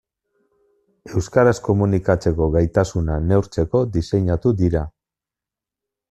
Euskaraz komunikatzeko gaitasuna neurtzeko diseinatu dira.